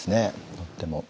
とっても。